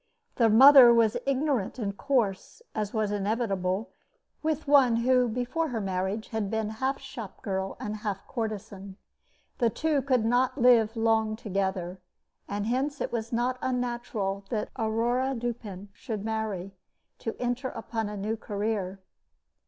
The mother was ignorant and coarse, as was inevitable, with one who before her marriage had been half shop girl and half courtesan. The two could not live long together, and hence it was not unnatural that Aurore Dupin should marry, to enter upon a new career.